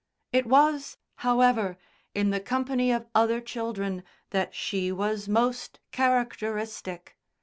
It was, however, in the company of other children that she was most characteristic.